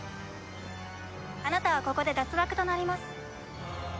あなたはここで脱落となります。